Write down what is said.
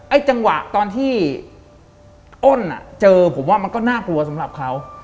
จังหวะตอนที่อ้นเจอผมว่ามันก็น่ากลัวสำหรับเขา